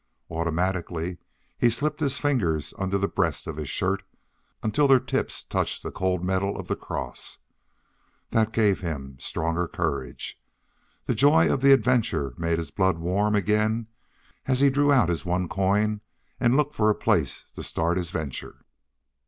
Automatically he slipped his fingers under the breast of his shirt until their tips touched the cold metal of the cross. That gave him stronger courage. The joy of the adventure made his blood warm again as he drew out his one coin and looked for a place to start his venture.